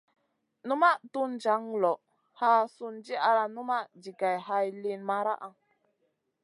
Numaʼ tun jaŋ loʼ, haa sùn di ala numaʼ jigay hay liyn maraʼa.